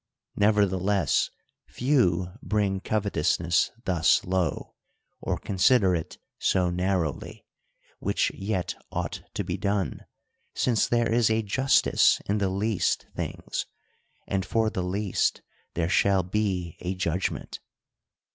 — Nevertheless, few bring covetousness thus low, or consider it so narrowly ; which yet ought to be done, since there is a justice in the least things, and for the least there shall be a judg ment.